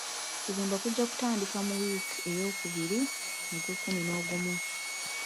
Okuzimba kujja kutandika mu wiiki eyookubiri mu gw'ekkumi n'ogumu.